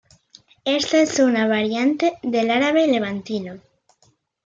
Esta es una variante del árabe levantino.